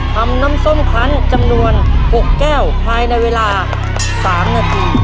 ทำน้ำส้มคันจำนวน๖แก้วภายในเวลา๓นาที